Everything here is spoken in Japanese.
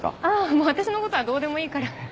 あ私のことはどうでもいいから。